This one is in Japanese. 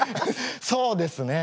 そうですね。